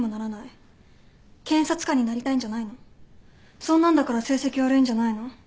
そんなんだから成績悪いんじゃないの？